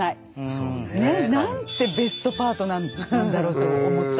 そうね。なんてベストパートナーなんだろうと思っちゃった。